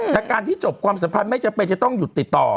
แต่การที่จบความสัมพันธ์ไม่จำเป็นจะต้องหยุดติดต่อ